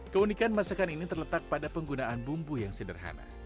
keunikan masakan ini terletak pada penggunaan bumbu yang sederhana